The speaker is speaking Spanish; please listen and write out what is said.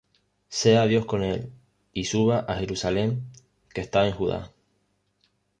Sea Dios con él, y suba á Jerusalem que está en Judá.